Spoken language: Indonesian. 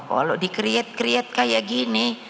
kalau di create create kayak gini